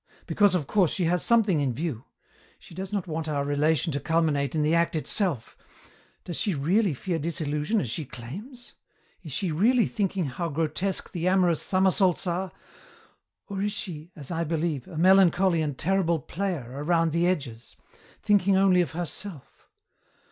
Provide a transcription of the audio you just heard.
Because, of course, she has something in view. She does not want our relation to culminate in the act itself. Does she really fear disillusion, as she claims? Is she really thinking how grotesque the amorous somersaults are? Or is she, as I believe, a melancholy and terrible player around the edges, thinking only of herself?